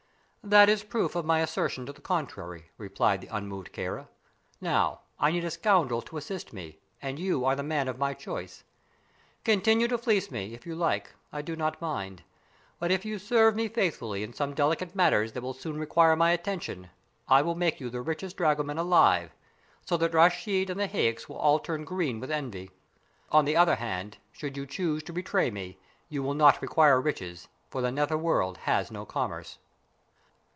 "That is proof of my assertion to the contrary," replied the unmoved Kāra. "Now, I need a scoundrel to assist me, and you are the man of my choice. Continue to fleece me, if you like; I do not mind. But if you serve me faithfully in some delicate matters that will soon require my attention, I will make you the richest dragoman alive, so that Raschid and the Haieks will all turn green with envy. On the other hand, should you choose to betray me, you will not require riches, for the nether world has no commerce."